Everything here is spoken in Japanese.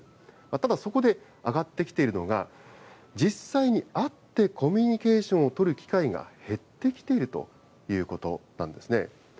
ただそこで挙がってきているのが、実際に会ってコミュニケーションを取る機会が減ってきているということなんですね。